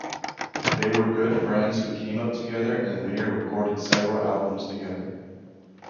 They were good friends who came up together and later recorded several albums together.